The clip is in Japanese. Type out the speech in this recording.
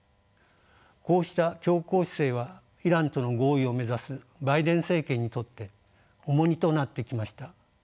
こうした強硬姿勢はイランとの合意を目指すバイデン政権にとって重荷となってきました。